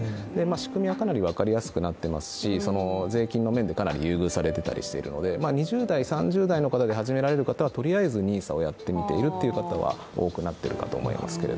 仕組みはかなりわかりやすくなっていますし税金の面でかなり優遇されていますので２０代、３０代の方で始められる方はとりあえずＮＩＳＡを始める人も多くなってきているかと思います。